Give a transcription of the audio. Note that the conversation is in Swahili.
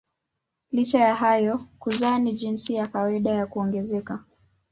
Licha ya hayo kuzaa ni jinsi ya kawaida ya kuongezeka.